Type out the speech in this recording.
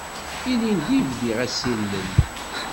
Ilindi i bdiɣ asilel.